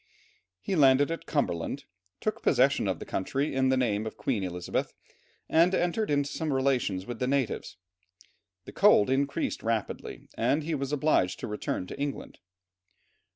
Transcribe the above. He landed at Cumberland, took possession of the country in the name of Queen Elizabeth, and entered into some relations with the natives. The cold increased rapidly, and he was obliged to return to England.